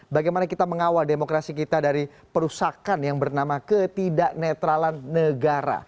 bagaimana kita mengawal demokrasi kita dari perusakan yang bernama ketidaknetralan negara